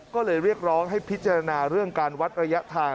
ก็เลยเรียกร้องให้พิจารณาเรื่องการวัดระยะทาง